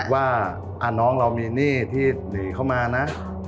ว่าน้องเรามีหนี้ที่หนีเข้ามานะ